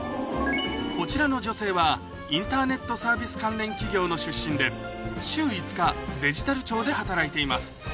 こちらの女性はインターネットサービス関連企業の出身で週５日デジタル庁で働いています